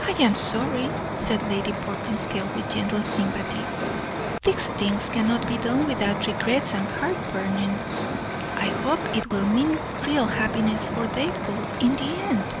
"I am sorry," said Lady Portinscale with gentle sympathy. "These things cannot be done without regrets and heartburnings. I hope it will mean real happiness for them both in the end."